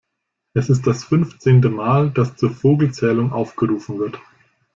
Es ist das fünfzehnte Mal, dass zur Vogelzählung aufgerufen wird.